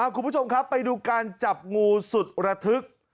คุณผู้ชมครับไปดูการจับงูสุดระทึก